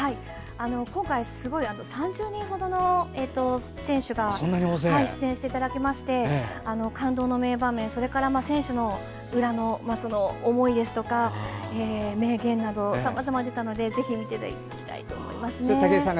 今回、３０人ほどの選手が出演していただきまして感動の名場面選手の裏の思いですとか名言など、さまざま出たのでぜひ見ていただきたいと思います。